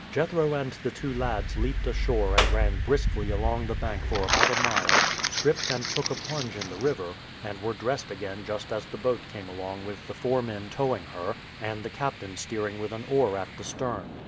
Jethro and the two lads leaped ashore and ran briskly along the bank for about a mile, stripped and took a plunge into the river, and were dressed again just as the boat came along with the four men towing her, and the captain steering with an oar at the stern.